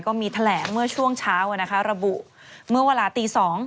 ก็มีแถลงเมื่อช่วงเช้าระบุเมื่อเวลาตี๒